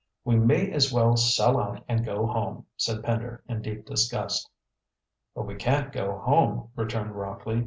"We may as well sell out and go home," said Pender, in deep disgust. "But we can't go home," returned Rockley.